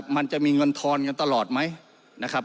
มันจะมีเงินทอนกันตลอดไหม